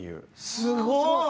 すごい。